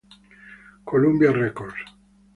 Columbia Records.